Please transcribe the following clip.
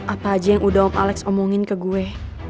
apa aja yang udah alex omongin ke gue